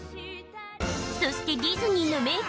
そしてディズニーの名曲たち。